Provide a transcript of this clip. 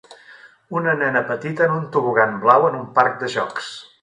Una nena petita en un tobogan blau en un parc de jocs.